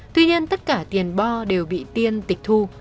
tuy nhiên tất cả tiền bo đều bị tiên tịch thu